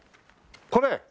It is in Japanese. これ？